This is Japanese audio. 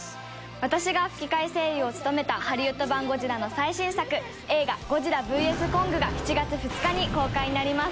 私が吹き替え声優を務めたハリウッド版『ゴジラ』の最新作映画『ゴジラｖｓコング』が７月２日に公開になります。